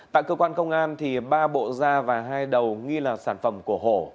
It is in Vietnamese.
tại cơ quan công an ba bộ da và hai đầu nghi là sản phẩm của hổ